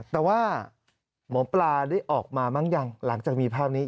แต่ว่าหมอปลาได้ออกมามั้งยังหลังจากมีภาพนี้